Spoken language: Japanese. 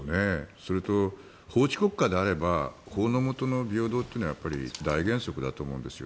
それと法治国家であれば法のもとの平等というのは大原則だと思うんですよ。